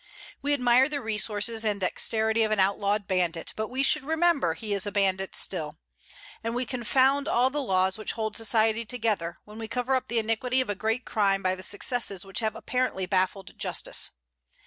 We admire the resources and dexterity of an outlawed bandit, but we should remember he is a bandit still; and we confound all the laws which hold society together, when we cover up the iniquity of a great crime by the successes which have apparently baffled justice.